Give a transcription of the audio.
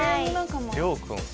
諒君。